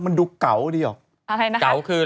มันดูเก๋าดีหรือ